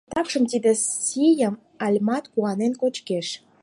Такшым тиде сийым Альмат куанен кочкеш.